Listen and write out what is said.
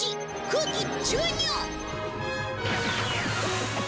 空気注入！